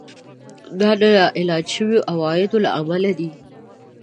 دا د نااعلان شويو عوایدو له امله دی